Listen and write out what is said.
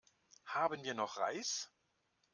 Haben wir noch Reis?